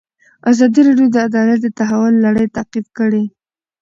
ازادي راډیو د عدالت د تحول لړۍ تعقیب کړې.